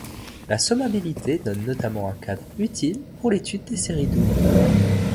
La sommabilité donne notamment un cadre utile pour l'étude des séries doubles.